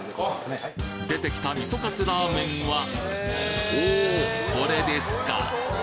出てきたみそカツラーメンはおおこれですか！